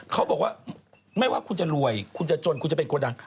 เขาบอกว่าไม่ว่าคุณจะรวยคุณจะจนคุณจะเป็นโกดัง